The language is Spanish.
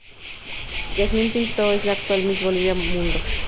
Jasmin Pinto es la actual Miss Bolivia Mundo.